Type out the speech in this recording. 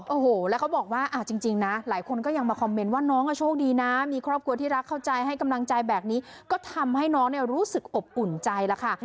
โอ้โหแล้วเขาบอกว่าจริงนะหลายคนก็ยังมาคอมเมนต์ว่าน้องก็โชคดีนะมีครอบครัวที่รักเข้าใจให้กำลังใจแบบนี้ก็ทำให้น้องเนี่ยรู้สึกอบอุ่นใจแล้วค่ะ